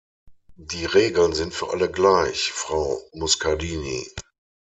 Die Regeln sind für alle gleich, Frau Muscardini.